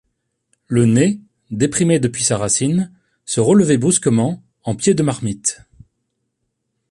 Le nez, déprimé depuis sa racine, se relevait brusquement en pied de marmite.